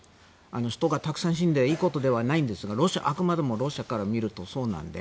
人がたくさん死んでいいことではないですがあくまでもロシアから見るとそうなので。